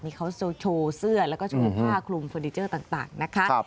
นี่เขาโชว์เสื้อแล้วก็โชว์ผ้าคลุมเฟอร์นิเจอร์ต่างนะคะ